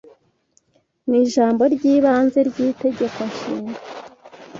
Mu Ijambo ry'ibanze ry'Itegeko Nshinga,